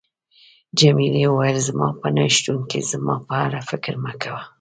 جميلې وويل: زما په نه شتون کې زما په اړه فکر مه کوه.